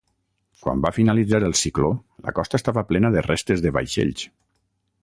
Quan va finalitzar el cicló, la costa estava plena de restes de vaixells.